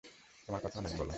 তোমারা অনেক কথা বলো।